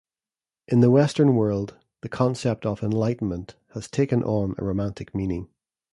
In the western world the concept of "enlightenment" has taken on a romantic meaning.